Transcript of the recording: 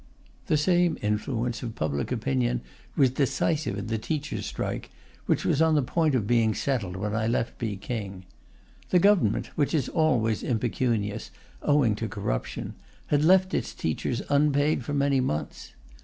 The same influence of public opinion was decisive in the teachers' strike, which was on the point of being settled when I left Peking. The Government, which is always impecunious, owing to corruption, had left its teachers unpaid for many months.